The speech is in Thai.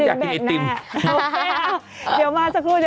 ชม